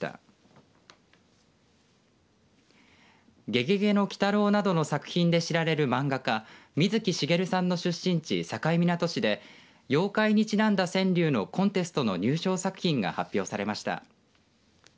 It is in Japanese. ゲゲゲの鬼太郎などの作品で知られる漫画家水木しげるさんの出身地境港市で妖怪にちなんだ川柳のコンテストの入賞作品が発表されました。